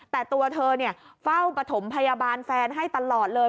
แต่ตัวเธอเฝ้าปฐมพยาบาลแฟนให้ตลอดเลย